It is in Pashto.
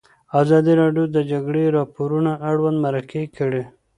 ازادي راډیو د د جګړې راپورونه اړوند مرکې کړي.